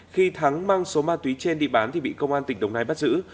khi thắng mang số ma túy trên đi bán thì bị công an tỉnh đồng nai bắt giữ